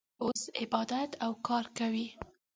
اوس عبادت او کار کوي.